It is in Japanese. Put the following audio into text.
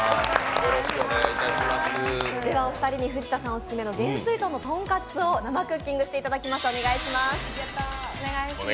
お二人に藤田さんオススメの幻水豚のとんかつを生クッキングしていただきますお願いします。